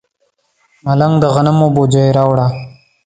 ملنګ د غنمو بوجۍ راوړه.